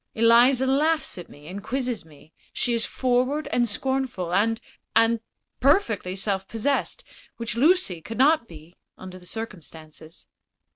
Eliza laughs at me and quizzes me; she is forward and scornful, and and perfectly self possessed, which Lucy could not be, under the circumstances."